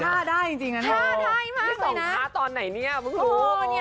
ท่าได้จริงนะท่าได้มากเลยนะที่ส่องพระตอนไหนเนี่ย